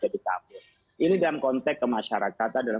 apa ini atau itu